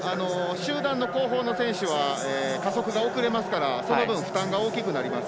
集団の後方の選手は加速が遅れますから、その分負担が大きくなります。